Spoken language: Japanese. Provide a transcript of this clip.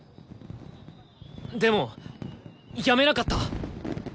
でも辞めなかった！